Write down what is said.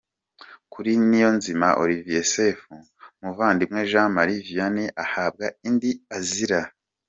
kuri Niyonzima Olivier Sefu, Muvandimwe Jean Marie Vianney ahabwa indi azira